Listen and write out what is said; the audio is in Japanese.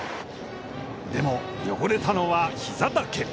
でも汚れたのはひざだけ。